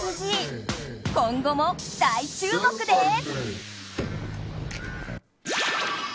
今後も大注目です。